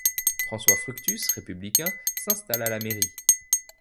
François Fructus, républicain, s’installe à la mairie.